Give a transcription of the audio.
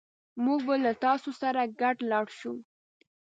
موږ به له تاسو سره ګډ لاړ شو